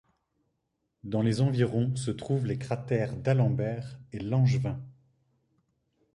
Dans les environs se trouvent les cratères D'Alembert et Langevin.